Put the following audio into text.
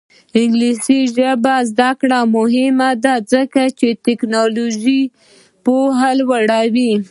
د انګلیسي ژبې زده کړه مهمه ده ځکه چې تکنالوژي پوهه لوړوي.